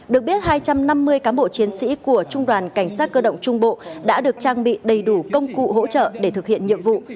được biết hai trăm năm mươi cán bộ chiến sĩ của trung đoàn cảnh sát cơ động trung bộ đã được trang bị đầy đủ công cụ hỗ trợ để thực hiện nhiệm vụ